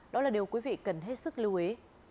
đó là điều quý vị cần hết sức lưu ý